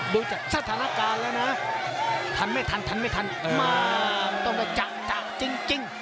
ดูจากสถานการณ์แล้วนะทันไม่ทันทันไม่ทันต้องกระจังจริง